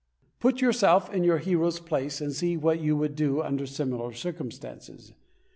Put yourself in your hero's place and see what you would do under similar circumstances.